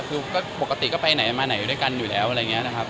คือก็ปกติก็ไปไหนมาไหนด้วยกันอยู่แล้วอะไรอย่างนี้นะครับ